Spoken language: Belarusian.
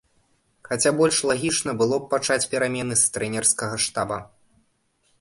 Хаця больш лагічна было б пачаць перамены з трэнерскага штаба.